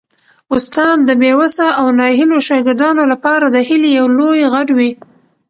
استاد د بې وسه او ناهیلو شاګردانو لپاره د هیلې یو لوی غر وي.